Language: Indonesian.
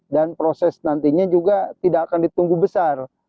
dan proses nantinya juga tidak akan ditunggu besar